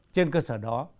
trên cơ sở đó